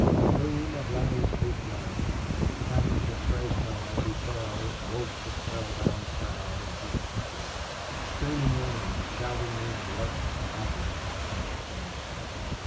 The boom of Larry's big gun and the crash of Fresno as he fell woke the spellbound crowd into an uproar. Screaming women and shouting men rushed madly back into the dance hall.